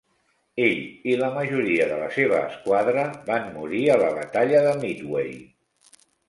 Ell i la majoria de la seva esquadra van morir a la batalla de Midway.